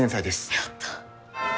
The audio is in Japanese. やった！